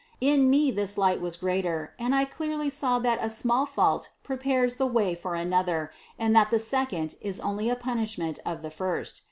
In me this light was greater and I clearly saw that a small fault prepares the way for another, and that the second is only a punishment of the first.